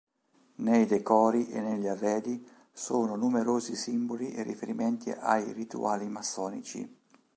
Nei decori e negli arredi sono numerosi simboli e riferimenti ai rituali massonici.